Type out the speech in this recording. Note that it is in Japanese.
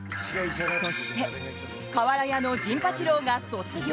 そして、瓦屋の陣八郎が卒業！